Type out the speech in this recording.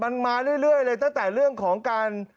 มันมาเรื่อยเลยตั้งแต่เรื่องของการ